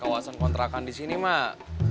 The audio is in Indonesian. kawasan kontrakan di sini mak